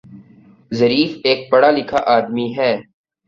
Zarif ایک پڑھا لکھا آدمی ہے